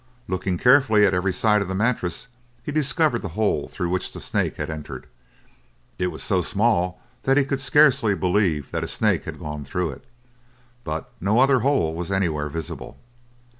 Looking carefully at every side of the mattress he discovered the hole through which the snake had entered. It was so small that he could scarcely believe that a snake had gone through it, but no other hole was anywhere visible.